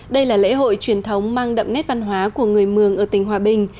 đây là lễ hội truyền thống mang đậm nét văn hóa của người mường ở tỉnh hòa bình